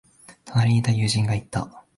隣にいた友人が言った。